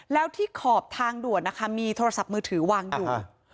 แล้วที่ขอบทางด่วนนะคะมีโทรศัพท์มือถือวางอยู่